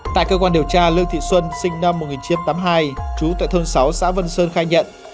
tại cơ quan điều tra lương thị xuân sinh năm một nghìn chín trăm tám mươi hai trú tại thôn sáu xã vân sơn khai nhận